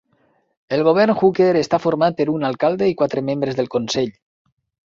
El govern Hooker està format per un alcalde i quatre membres del consell.